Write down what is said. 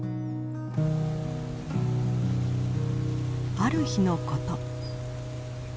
ある日のこと。